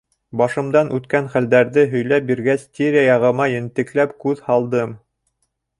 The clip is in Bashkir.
Башымдан үткән хәлдәрҙе һөйләп биргәс, тирә-яғыма ентекләп күҙ һалдым.